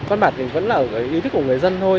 phát bản thì vẫn là ý thức của người dân thôi